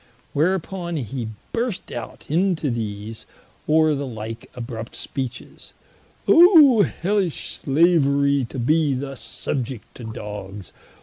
Whereupon hee burst out into these, or the like abrupt speeches: "Oh Hellish slaverie to be thus subiect to Dogs!